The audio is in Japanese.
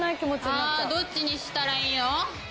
あぁどっちにしたらいいの？